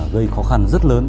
gây khó khăn rất lớn